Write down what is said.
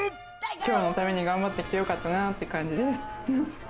今日のために頑張ってきてよかったなっていう感じです。